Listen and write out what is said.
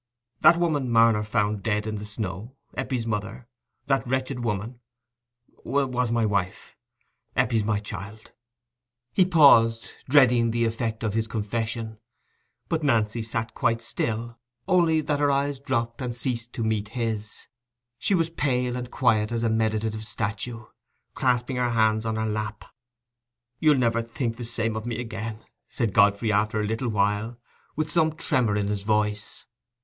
That woman Marner found dead in the snow—Eppie's mother—that wretched woman—was my wife: Eppie is my child." He paused, dreading the effect of his confession. But Nancy sat quite still, only that her eyes dropped and ceased to meet his. She was pale and quiet as a meditative statue, clasping her hands on her lap. "You'll never think the same of me again," said Godfrey, after a little while, with some tremor in his voice.